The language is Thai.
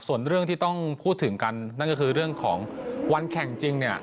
ส่วนเรื่องที่ต้องพูดถึงกันนั่นก็คือเรื่องของวันแข่งจริงเนี่ย